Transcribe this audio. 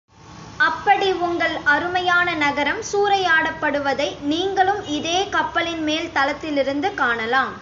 அப்படி உங்கள் அருமையான நகரம் சூறையாடப்படுவதை நீங்களும் இதே கப்பலின் மேல் தளத்திலிருந்து காணலாம்.